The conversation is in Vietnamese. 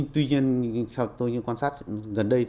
tuy nhiên tôi quan sát gần đây